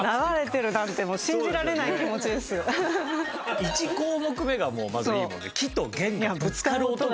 こんなのが１項目目がまずいいもんね。